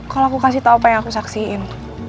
kalau aku kasih tau apa yang aku saksiin